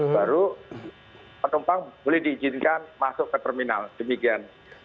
baru penumpang boleh diizinkan masuk ke terminal demikian